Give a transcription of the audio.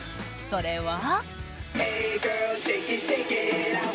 それは。